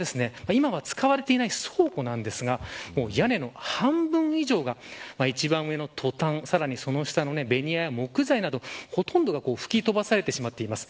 今は使われてない倉庫なんですが屋根の半分以上が一番上のとたんさらにその下のベニヤや木材などほとんどが吹き飛ばされてしまっています。